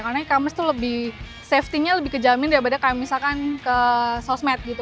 karena e commerce tuh lebih safetynya lebih kejamin daripada kayak misalkan ke sosmed gitu